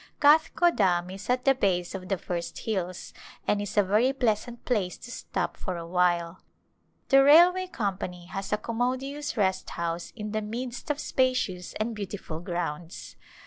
Kathgodam is at the base of the first hills and is a very pleasant place to stop for a while. The railway company has a commodious rest house in the midst of spacious and beautiful grounds.